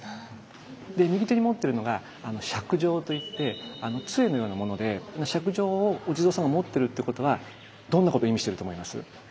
右手に持ってるのが「錫杖」といって杖のようなもので錫杖をお地蔵さんが持ってるということはどんなこと意味してると思います？